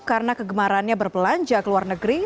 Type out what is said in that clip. karena kegemarannya berbelanja ke luar negeri